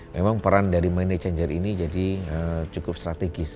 memang peran dari mana changer ini jadi cukup strategis